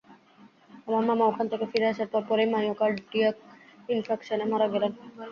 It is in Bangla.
আমার মামা ওখান থেকে ফিরে আসার পরপরই মাইয়ো কার্ডিয়াক ইনফ্রাকশানে মারা গেলেন।